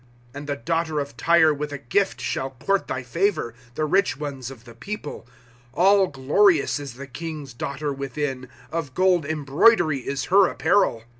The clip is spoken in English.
", And the daughter of Tyre with a gift shall court thy favor. The rich ones of the people. All glorious is the king's daughter within ; Of gold embroidery is her apparel.